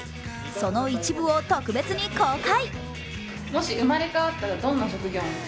その一部を特別に公開。